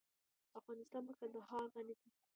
افغانستان په کندهار غني دی.